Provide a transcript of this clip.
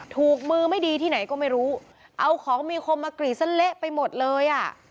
ถูกมือไม่ดีที่ไหนก็ไม่รู้เอาของมีคมมากรีดซะเละไปหมดเลยอ่ะ